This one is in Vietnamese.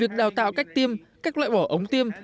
việc đào tạo cách tiêm cách loại bỏ ống tiêm